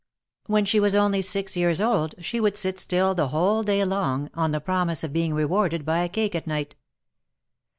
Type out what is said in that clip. When she was only six years old, she would sit still the whole day long, on the promise of being rewarded by a cake at night.